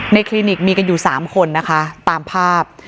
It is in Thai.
คลินิกมีกันอยู่๓คนนะคะตามภาพ